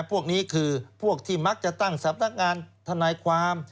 พวกนี้คือพวกที่มักจะตั้งสำนักงานทนายความ